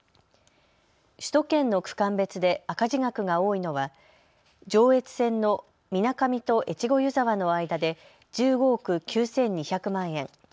首都圏の区間別で赤字額が多いのは上越線の水上と越後湯沢の間で１５億９２００万円。